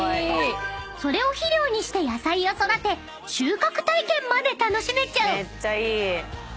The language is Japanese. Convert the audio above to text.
［それを肥料にして野菜を育て収穫体験まで楽しめちゃう］